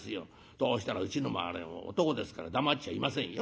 そうしたらうちのもあれ男ですから黙っちゃいませんよ。